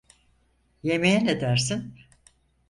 Yemeğe ne dersin?